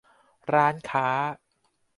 ร้านค้า